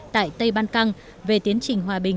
tại tây ban căng về tiến trình hòa bình